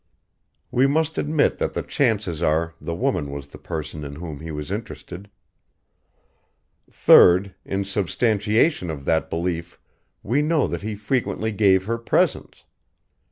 We must admit that the chances are the woman was the person in whom he was interested. Third, in substantiation of that belief we know that he frequently gave her presents.